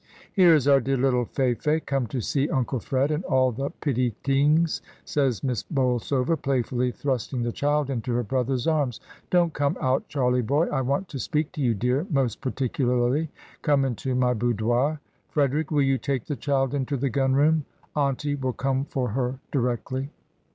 "Here is our dear little Fay fay come to see Uncle Fred and all the pitty tings," says Miss Bol sover playfully, thrusting the child into her brother's arms. "Don't come out, Charlie boy, I want to speak to you, dear, most particularly. Come into my boudoir. Frederick, will you take the child into the gun room? Auntie will come for her directly."